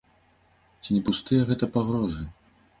Ці не пустыя гэта пагрозы?